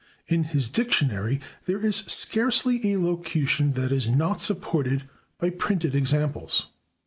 In his dictionary there is scarcely a locution that is not supported by printed examples.